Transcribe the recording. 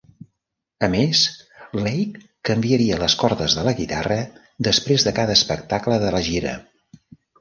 A més, Lake canviaria les cordes de la guitarra després de cada espectacle de la gira.